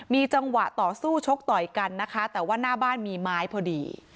มีจังหวะต่อสู้ชกต่อยกันนะคะแต่ว่าหน้าบ้านมีไม้พอดี